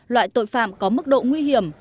loại tội phạm có mức độ nguy hiểm